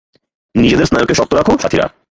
নিজেদের স্নায়ুকে শান্ত রাখো, সাথীরা!